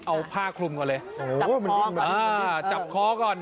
เอาผ้าคลุมก่อนเลยเอาคอจับคอก่อนเออจับคอก่อน